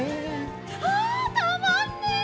あたまんね！